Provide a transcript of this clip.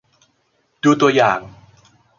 ดูตัวอย่าง